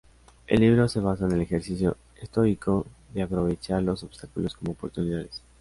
El libro se basa en el ejercicio estoico de aprovechar los obstáculos como oportunidades.